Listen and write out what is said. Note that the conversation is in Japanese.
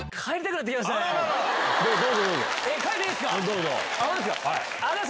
帰っていいんすか？